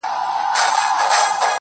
• دى خو بېله تانه كيسې نه كوي.